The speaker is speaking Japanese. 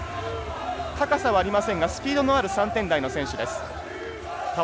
高さはありませんがスピードのある３点台の選手です。